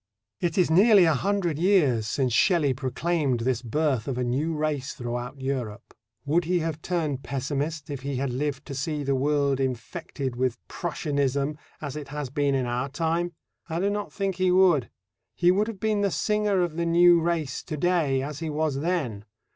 It is nearly a hundred years since Shelley proclaimed this birth of a new race throughout Europe. Would he have turned pessimist if he had lived to see the world infected with Prussianism as it has been in our time? I do not think he would. He would have been the singer of the new race to day as he was then.